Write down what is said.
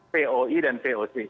poi dan voc